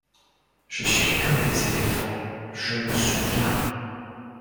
Je suis comme les éléphants, je me souviens.